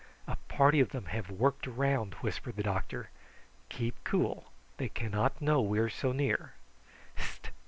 "A party of them have worked round," whispered the doctor. "Keep cool. They cannot know we are so near.